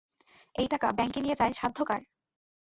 এ টাকা ব্যাঙ্কে নিয়ে যায় সাধ্য কার?